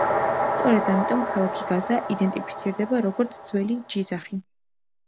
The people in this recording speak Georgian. სწორედ ამიტომ ქალაქი გაზა იდენტიფიცირდება, როგორც ძველი ჯიზახი.